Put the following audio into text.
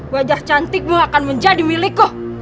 wajah cantikmu akan menjadi milikku